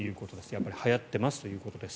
やっぱりはやっていますということです。